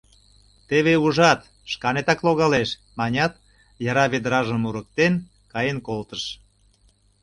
Теве ужат, шканетак логалеш, — манят, яра ведражым мурыктен, каен колтыш.